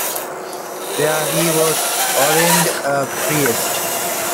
There he was ordained a priest.